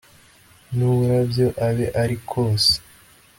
n uburabyo abe ari kose